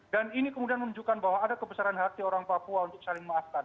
dan ini kemudian menunjukkan bahwa ada kebesaran hati orang papua untuk saling maafkan